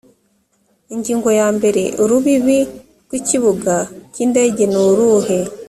ingingo yambere urubibi rw ikibuga cy indege nuruhe